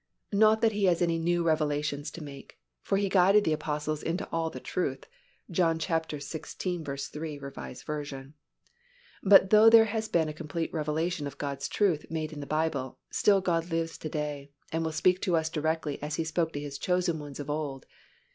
Not that He has any new revelations to make, for He guided the Apostles into all the truth (John xvi. 13, R. V.): but though there has been a complete revelation of God's truth made in the Bible, still God lives to day and will speak to us as directly as He spoke to His chosen ones of old.